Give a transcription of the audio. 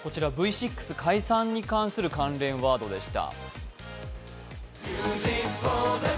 ６解散に関する関連ワードでした。